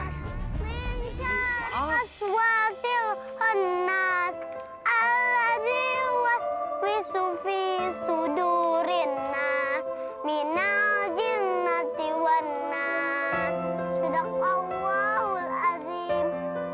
wa til'an nas'al adziwas wisufi sudurina minal jin'atiwana sudak allahul azim